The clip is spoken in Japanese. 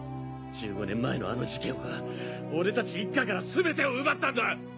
１５年前のあの事件は俺たち一家から全てを奪ったんだ！